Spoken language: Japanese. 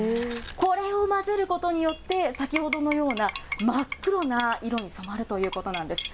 これを混ぜることによって、先ほどのような真っ黒な色に染まるということなんです。